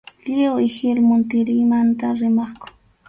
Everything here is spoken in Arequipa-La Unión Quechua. Lliw ihilmum tirinmanta rimaqku.